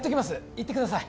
行ってください